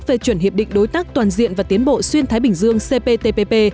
về chuẩn hiệp định đối tác toàn diện và tiến bộ xuyên thái bình dương cptpp